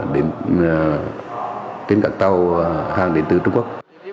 đến các tàu hàng đến từ trung quốc